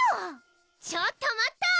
ちょっと待った！